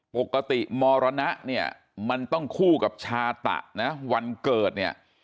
ปกติมรณะเนี่ยมันต้องคู่กับชาตะนะวันเกิดเนี่ย